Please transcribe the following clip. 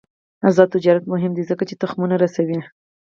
آزاد تجارت مهم دی ځکه چې تخمونه رسوي.